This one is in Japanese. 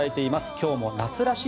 今日も夏らしい